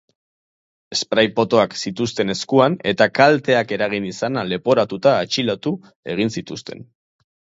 Spray potoak zituzten eskuan eta kalteak eragin izana leporatuta atxilotu egin zituzten.